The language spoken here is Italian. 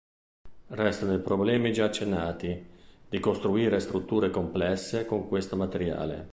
Restano i problemi, già accennati, di costruire strutture complesse con questo materiale.